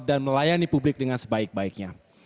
dan melayani publik dengan sebaik baiknya